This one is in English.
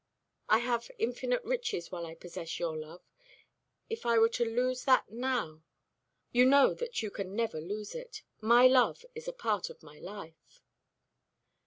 I have infinite riches while I possess your love. If I were to lose that now " "You know that you can never lose it. My love is a part of my life."